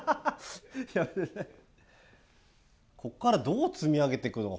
ここからどう積み上げていくのか